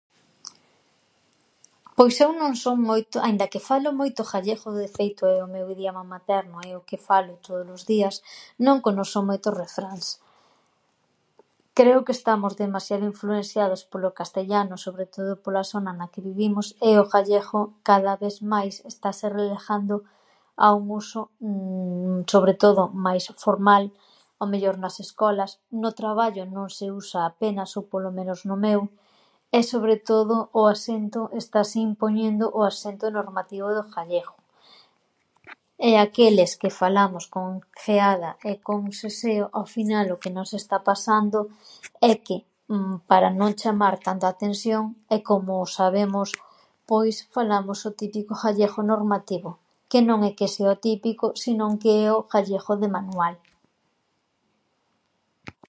Pois eu non son moito, aínda que falo moito ghallegho, de feito é o meu idioma materno, é o que falo tódolos días, non conoso moitos refráns. Creo que estamos demasiado influensiados polo castellano, sobre todo pola sona na que vivimos, e o ghellegho cada ves máis estase relajando a un uso sobre todo máis formal ao mellor nas escolas, no traballo non se usa apenas, ou polo menos no meu, e sobre todo o asento, estase impoñendo o asento normativo do ghallego e aqueles que falamos con gheada e con seseo, ao final, o que nos está pasando é que para non chamar tanto a atensión, e como o sabemos, pois falamos o típico ghallegho normativo que no é que sea o típico, si non que é o ghallegho de manual.